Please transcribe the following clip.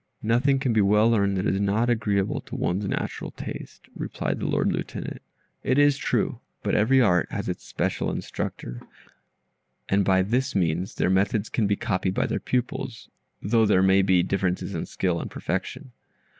"Nothing can be well learned that is not agreeable to one's natural taste," replied the Lord Lieutenant. "It is true, but every art has its special instructor, and by this means their methods can be copied by their pupils, though there may be differences in skill and perfection.